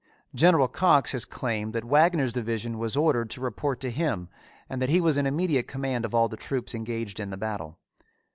General Cox has claimed that Wagner's division was ordered to report to him and that he was in immediate command of all the troops engaged in the battle.